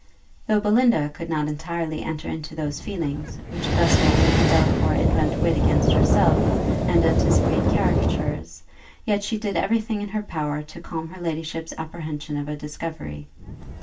Though Belinda could not entirely enter into those feelings, which thus made Lady Delacour invent wit against herself, and anticipate caricatures; yet she did every thing in her power to calm her ladyship's apprehension of a discovery.